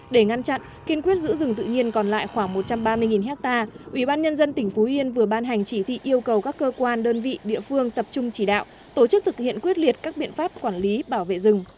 để ngăn chặn kiên quyết giữ rừng tự nhiên còn lại khoảng một trăm ba mươi ha ủy ban nhân dân tỉnh phú yên vừa ban hành chỉ thị yêu cầu các cơ quan đơn vị địa phương tập trung chỉ đạo tổ chức thực hiện quyết liệt các biện pháp quản lý bảo vệ rừng